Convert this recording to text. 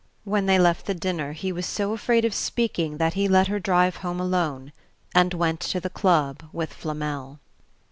When they left the dinner he was so afraid of speaking that he let her drive home alone, and went to the club with Flamel.